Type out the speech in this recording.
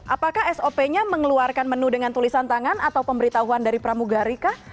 apakah sop nya mengeluarkan menu dengan tulisan tangan atau pemberitahuan dari pramugari kah